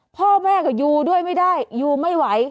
พ่อแม่ก็อยู่ด้วยไม่ได้อยู่ไม่ไหว